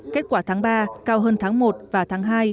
kết quả tháng ba cao hơn tháng một và tháng hai